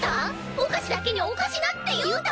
お菓子だけにおかしなって言うた？